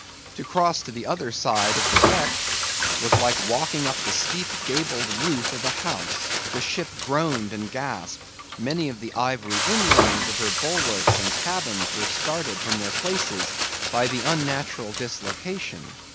To cross to the other side of the deck was like walking up the steep gabled roof of a house. The ship groaned and gasped. Many of the ivory inlayings of her bulwarks and cabins were started from their places, by the unnatural dislocation.